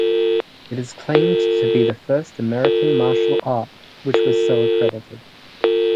It is claimed to be the first American martial art which was so accredited.